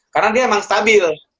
karena dia emang stabil